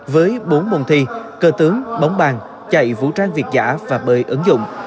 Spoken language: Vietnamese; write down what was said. với bốn môn thi cơ tướng bóng bàn chạy vũ trang việt giả và bơi ứng dụng